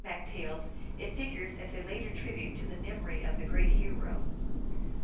Micmac tales it figures as a later tribute to the mem ory of the great hero.